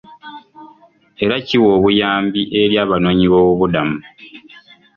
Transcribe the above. Era kiwa obuyambi eri abanoonyiboobubudamu.